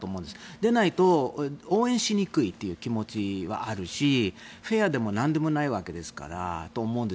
でないと、応援しにくいという気持ちがあるしフェアでもなんでもないと思うんです。